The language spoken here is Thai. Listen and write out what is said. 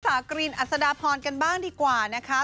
กรีนอัศดาพรกันบ้างดีกว่านะคะ